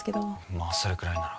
まあそれくらいなら。